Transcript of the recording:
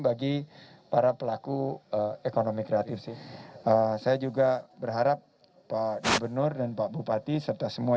bagi para pelaku ekonomi kreatif sih saya juga berharap pak gubernur dan pak bupati serta semua